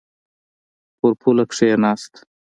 پر پوله کښېناست.